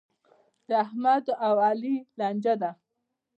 د احمد او علي لانجه ده.